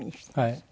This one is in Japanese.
はい。